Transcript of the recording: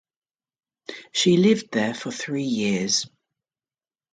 She lived there for three years.